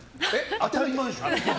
当たり前でしょ。